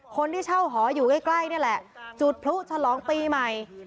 คนที่เช่าหออยู่ใกล้นี่แหละจุดพลุฉลองปีใหม่